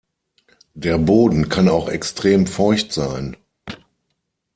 Der Boden kann auch extrem feucht sein.